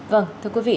vâng thưa quý vị